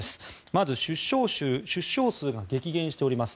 まず、出生数が激減しております。